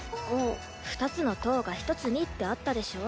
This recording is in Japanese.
「２つの塔が１つに」ってあったでしょ。